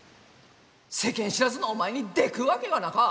世間知らずのお前にでくっわけがなか！